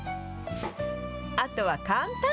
あとは簡単。